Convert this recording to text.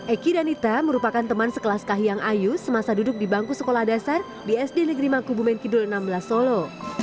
eki dan nita merupakan teman sekelas kahiyang ayu semasa duduk di bangku sekolah dasar di sd negeri mangkubumen kidul enam belas solo